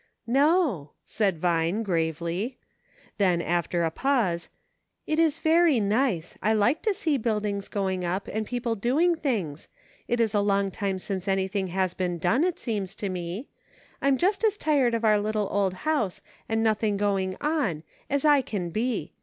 " No," said Vine, gravely. Then, after a pause :" It is very nice ; I like to see buildings going up, and people doing things ; it is a long time since anything has been done, it seems to me. I'm just as tired of our little old house, and nothing going on, as I can be.